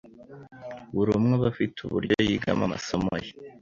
buri umwe aba afite uburyo yigamo amasomo ye